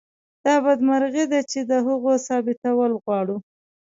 دا بدمرغي ده چې د هغو ثابتول غواړو.